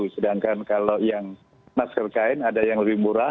sedangkan kalau yang masker kain ada yang lebih murah